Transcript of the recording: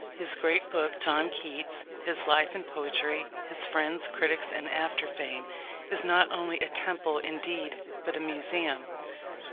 His great book, John Keats: His Life and Poetry; His Friends, Critics, and After fame, is not only a temple, indeed, but a museum.